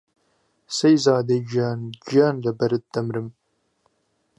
سهیزاده گیان گیان له بهرت دهمرم